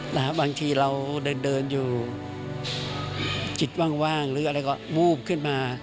บางทีเราเดินเดินอยู่จิตว่างหรืออะไรก็วูบขึ้นมา